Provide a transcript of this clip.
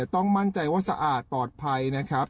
ต้องมั่นใจว่าสะอาดปลอดภัยนะครับ